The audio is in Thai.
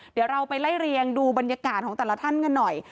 เดี๋ยวเราไปไล่เรียงดูบรรยากาศของแต่ละท่านกันหน่อย